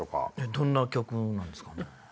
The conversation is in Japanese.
どんな曲なんですか？